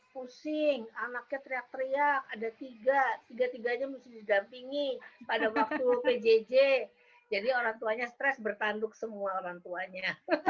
pusing anaknya teriak teriak ada tiga tiganya mesti didampingi pada waktu pjj jadi orang tuanya stres bertanduk semua orang tuanya